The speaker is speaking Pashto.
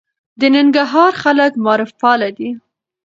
د ننګرهار خلک معارف پاله دي.